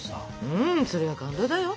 うんそれは感動だよ！